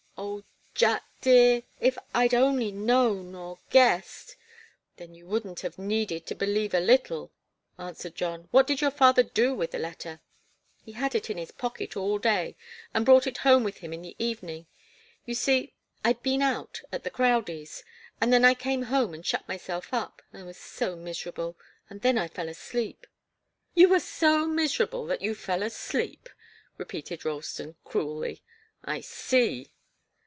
"Oh, Jack dear! If I'd only known, or guessed " "Then you wouldn't have needed to believe a little," answered John. "What did your father do with the letter?" "He had it in his pocket all day, and brought it home with him in the evening. You see I'd been out at the Crowdies' and then I came home and shut myself up. I was so miserable and then I fell asleep." "You were so miserable that you fell asleep," repeated Ralston, cruelly. "I see."